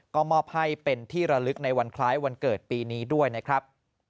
ก็มอบให้เป็นที่ระลึกในวันคล้ายวันเกิดปีนี้ด้วยนะครับ